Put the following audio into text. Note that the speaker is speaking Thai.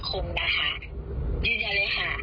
จริงจังเลยค่ะ